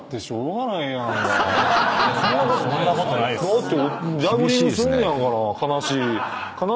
だって。